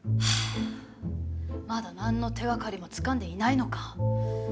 まだなんの手がかりもつかんでいないのか。